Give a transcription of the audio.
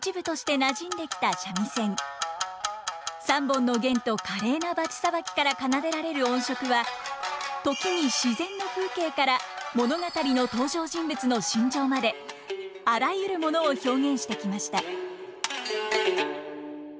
３本の絃と華麗なバチさばきから奏でられる音色は時に自然の風景から物語の登場人物の心情まであらゆるものを表現してきました。